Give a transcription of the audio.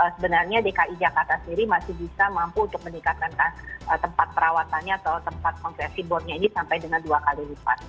sebenarnya dki jakarta sendiri masih bisa mampu untuk meningkatkan tempat perawatannya atau tempat konversi bornya ini sampai dengan dua kali lipat